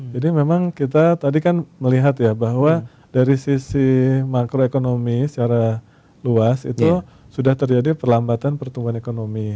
jadi memang kita tadi kan melihat ya bahwa dari sisi makroekonomi secara luas itu sudah terjadi perlambatan pertumbuhan ekonomi